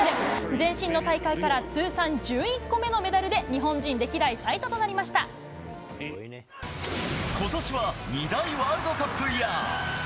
前身の大会から通算１１個目のメダルで、日本人歴代最多となりまことしは２大ワールドカップイヤー。